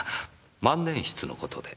万年筆のことで。